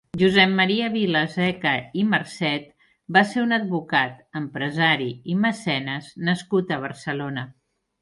Josep Maria Vilaseca i Marcet va ser un advocat, empresari i mecenes nascut a Barcelona.